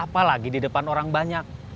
apalagi di depan orang banyak